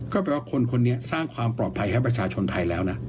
ก็แปลว่าคนคนนี้สร้างความปลอดภัยให้ประชาชนไทยแล้วนะ